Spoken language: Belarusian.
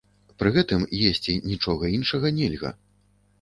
Пры гэтым есці нічога іншага нельга.